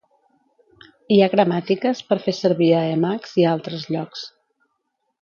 Hi ha gramàtiques per fer servir a Emacs i a altres llocs.